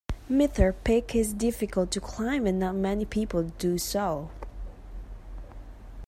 Mitre Peak is difficult to climb and not many people do so.